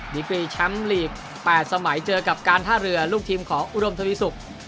ดีกรีแชมป์ลีก๘สมัยเจอกับการท่าเรือลูกทีมของอุดมทวีสุก